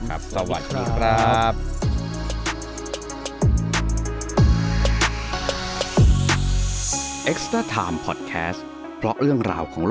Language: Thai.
ลากกันไปก่อน